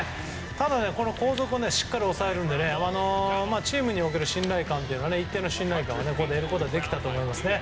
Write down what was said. ただ後続をしっかり押さえたのでチームにおける一定の信頼感はここで得ることができたと思います。